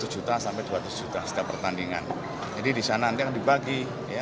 jadi disana yang dibagi